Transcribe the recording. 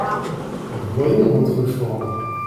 Voyons votre chambre.